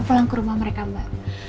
pulang ke rumah mereka mbak